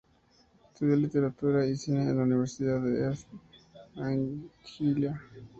Estudió literatura y cine en la Universidad de East Anglia.